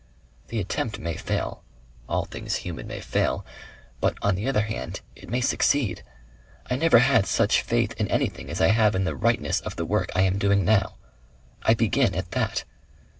The attempt may fail; all things human may fail; but on the other hand it may succeed. I never had such faith in anything as I have in the rightness of the work I am doing now. I begin at that.